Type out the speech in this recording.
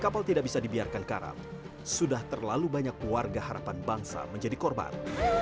kapal tidak bisa dibiarkan karam sudah terlalu banyak warga harapan bangsa menjadi korban